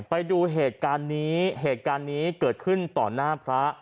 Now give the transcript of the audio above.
ไปดูเหตุการณ์นี้เหตุการณ์นี้เกิดขึ้นต่อหน้าพระ